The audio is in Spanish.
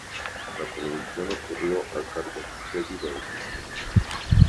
La producción corrió a cargo de Teddy Bautista.